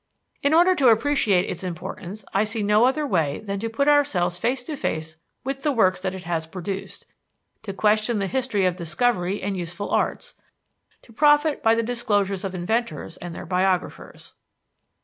In order to appreciate its importance, I see no other way than to put ourselves face to face with the works that it has produced, to question the history of discovery and useful arts, to profit by the disclosures of inventors and their biographers.